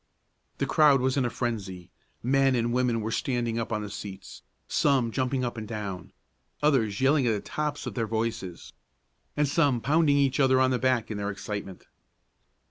The crowd was in a frenzy. Men and women were standing up on the seats, some jumping up and down, others yelling at the tops of their voices, and some pounding each other on the back in their excitement.